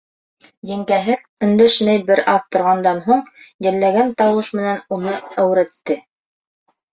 Еңгәһе, өндәшмәй бер аҙ торғандан һуң, йәлләгән тауыш менән уны әүрәтте: